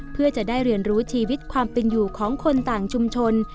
เพื่อจะได้เรียนรู้ชีวิตความเป็นอยู่ของคนต่างชุมชน